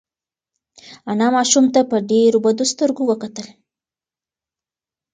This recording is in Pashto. انا ماشوم ته په ډېرو بدو سترګو وکتل.